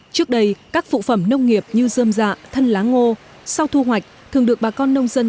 trước đây các phụ phẩm nông nghiệp như dơm dạ thân lá ngô sau thu hoạch thường được bà con nông dân